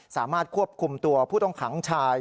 สามารถควบคุมตัวผู้ต้องขังชาย